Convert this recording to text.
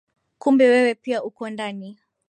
Kumbe wewe pia uko ndani